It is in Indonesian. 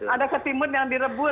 ada ketimun yang direbus